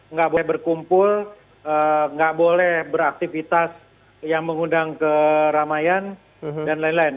nggak boleh berkumpul nggak boleh beraktivitas yang mengundang keramaian dan lain lain